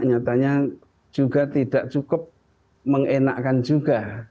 ternyata juga tidak cukup menyenangkan juga